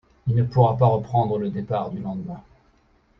Il ne pourra pas reprendre le départ du lendemain.